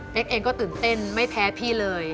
เองก็ตื่นเต้นไม่แพ้พี่เลย